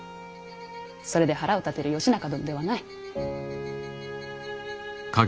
それで腹を立てる義仲殿ではない。